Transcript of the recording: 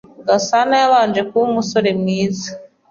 Gasana yabanje kuba umusore mwiza.